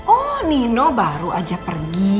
oh nino baru aja pergi